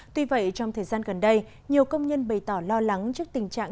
tuy vậy trong thời gian gần đây nhiều công nhân bày tỏ lo lắng trước tình trạng